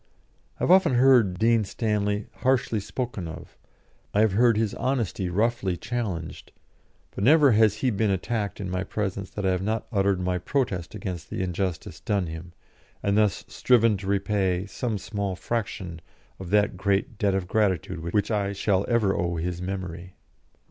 I have often heard Dean Stanley harshly spoken of, I have heard his honesty roughly challenged; but never has he been attacked in my presence that I have not uttered my protest against the injustice done him, and thus striven to repay some small fraction of that great debt of gratitude which I shall ever owe his memory.